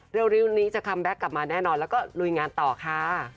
เร็วนี้จะคัมแก๊กกลับมาแน่นอนแล้วก็ลุยงานต่อค่ะ